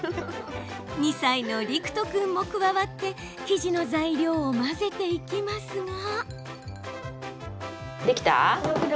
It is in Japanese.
２歳の俐玖人君も加わって生地の材料を混ぜていきますが。